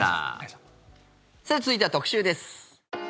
続いては特集です。